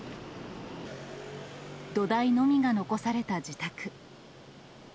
土台のみが残された自宅。